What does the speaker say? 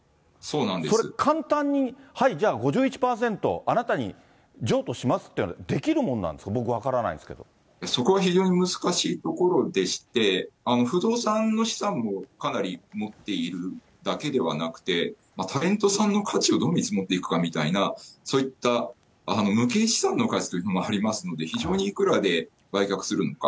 それ、簡単に、はい、じゃあ５１％、あなたに譲渡しますって、できるものなんですか、そこは非常に難しいところでして、不動産の資産もかなり持っているだけではなくて、タレントさんの価値をどう見積もっていくかみたいな、そういった無形資産の価値という部分もありますので、非常に、いくらで売却するのか。